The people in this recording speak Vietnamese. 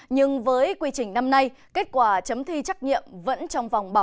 nhưng với quy trình năm nay kết quả chấm thi trắc nghiệm vẫn trong vòng bảo